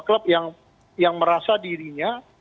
klub yang merasa dirinya